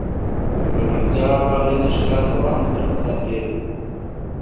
که ککړتیا او بهرني ښکار دوام وکړي، خطر ډېر دی.